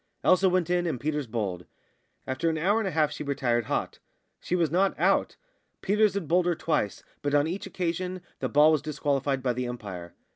Elsa went in, and Peters bowled. After an hour and a half she retired hot; she was not out. Peters had bowled her twice, but on each occasion the ball was disqualified by the umpire.